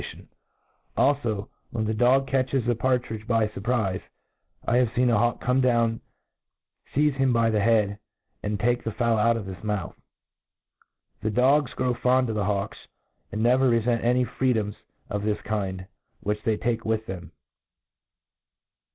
tiott# Alfo, when the dog catches a par* tridge by furlprife, I have feen a hawk come down5 feizc him by the head, and take the fowl out of ]m nwuth. The dogs grow fond ^f the liawkt, tttid never refent any freedoms pf this kind whieh t^ tike with them.